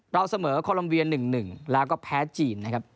เราเสมอคลมเวียร์หนึ่งแล้วก็แพ้จีน